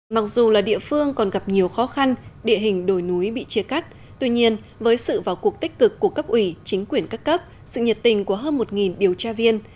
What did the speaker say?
mặc dù là địa phương còn gặp nhiều khó khăn địa hình đồi núi bị chia cắt tuy nhiên với sự vào cuộc tích cực của cấp ủy chính quyền các cấp sự nhiệt tình của hơn một điều tra viên